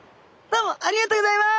ありがとうございます。